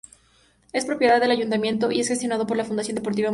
Es propiedad del Ayuntamiento y es gestionado por la Fundación Deportiva Municipal.